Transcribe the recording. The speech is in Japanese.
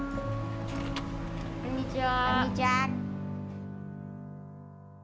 こんにちは。